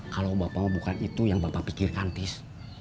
kalau bapak bukan itu yang bapak pikirkan tis